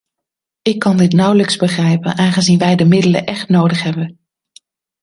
Ik kan dit nauwelijks begrijpen, aangezien wij de middelen echt nodig hebben.